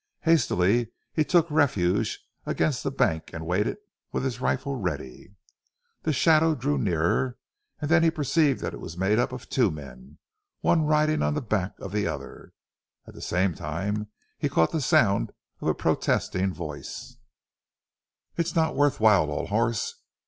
Hastily he took refuge against the bank, and waited with his rifle ready. The shadow drew nearer, and then he perceived that it was made up of two men, one riding on the back of the other. At the same time he caught the sound of a protesting voice "It's not worth while, old horse.